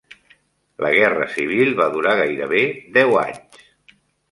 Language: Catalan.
La guerra civil va durar gairebé deu anys.